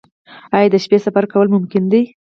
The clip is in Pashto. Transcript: آیا د شپې سفر کول ممکن دي؟